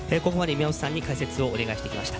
宮本さんに解説をお願いしてきました。